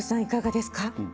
いかがですか？